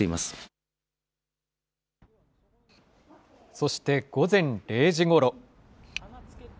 そして午前０時ごろ。